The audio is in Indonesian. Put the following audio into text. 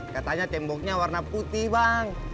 katanya temboknya warna putih bang